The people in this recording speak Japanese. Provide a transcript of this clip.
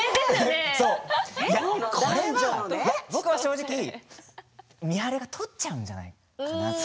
僕は正直美晴が取っちゃうんじゃないかなって。